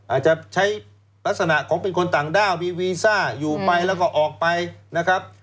อาจจะใช้ลักษณะของเป็นคนต่างด้าวมีวีซ่าอยู่ไปแล้วก็ออกไปนะครับ